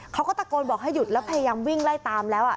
เขาก็ตะโกนบอกให้หยุดแล้วพยายามวิ่งไล่ตามแล้ว